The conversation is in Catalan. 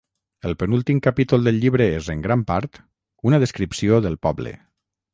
El penúltim capítol del llibre és, en gran part, una descripció del poble.